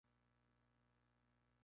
Los mejores bosques habían sido cortados.